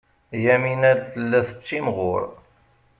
Yamina tella tettimɣur.